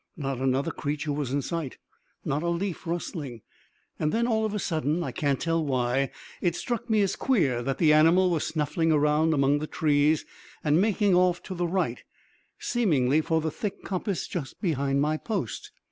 Not another creature was in sight; not a leaf rustling. And then, all of a sudden I can't tell why it struck me as queer that the animal was snuffling around among the trees and making off to the right, seemingly for the thick coppice just behind my post.